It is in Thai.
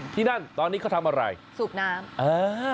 ที่นั่นตอนนี้เขาทำอะไรสูบน้ำเออ